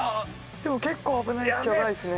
でも結構危ないっちゃ危ないですね。